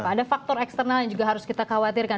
ada faktor eksternal yang juga harus kita khawatirkan